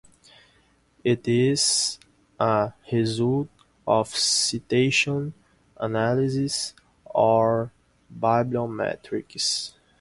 It is a result of citation analysis or bibliometrics.